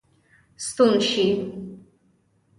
ستون سي.